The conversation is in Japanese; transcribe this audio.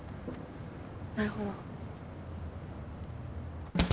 なるほど。